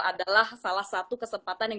adalah salah satu kesempatan yang